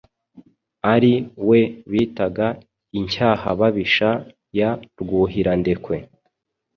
ari we bitaga Incyahababisha ya Rwuhirandekwe